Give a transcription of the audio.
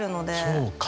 そうか。